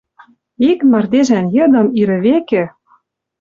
Ик мардежӓн йыдым ирӹ векӹ